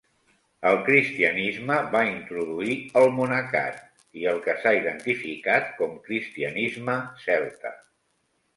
El cristianisme va introduir el monacat i el que s'ha identificat com cristianisme celta.